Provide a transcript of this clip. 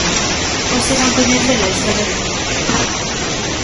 Hoxe van coñecer a historia de Quique.